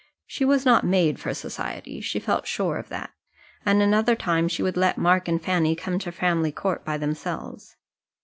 She was not made for society; she felt sure of that; and another time she would let Mark and Fanny come to Framley Court by themselves.